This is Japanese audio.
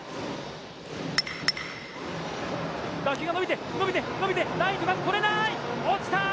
打球が伸びてライトが捕れない、落ちた。